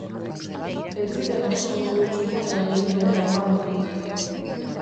Ez ziren oso modu txukunean irten kanpamendutik.